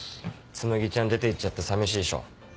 つむぎちゃん出て行っちゃって寂しいでしょ。